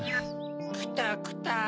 クタクタ。